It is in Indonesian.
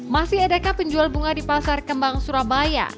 masih adakah penjual bunga di pasar kembang surabaya